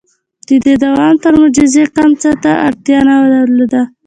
• د دې دوام تر معجزې کم څه ته اړتیا نه درلوده.